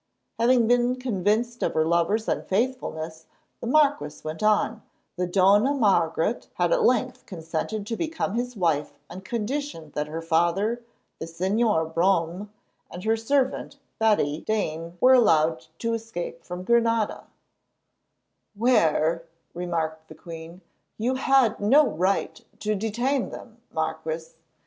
Having been convinced of her lover's unfaithfulness, the marquis went on, the Dona Margaret had at length consented to become his wife on condition that her father, the Señor Brome, and her servant, Betty Dene, were allowed to escape from Granada—— "Where," remarked the queen, "you had no right to detain them, Marquis.